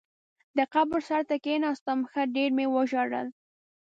د قبر سر ته یې کېناستم، ښه ډېر مې وژړل.